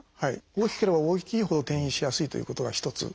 大きければ大きいほど転移しやすいということが一つ。